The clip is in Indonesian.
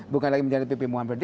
bukan lagi menjadi pp muhammad